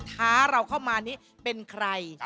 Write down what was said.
ท้าเราเข้ามานี้เป็นใคร